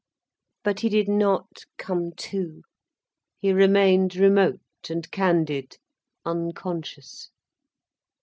But he did not come to, he remained remote and candid, unconscious.